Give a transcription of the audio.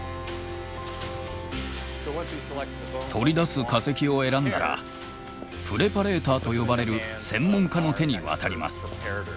取り出す化石を選んだらプレパレーターと呼ばれる専門家の手に渡ります。